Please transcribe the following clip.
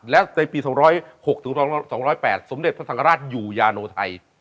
และในปี๒๐๖๒๐๘สมเด็จพระสังฆราชอยู่ยาโนไทย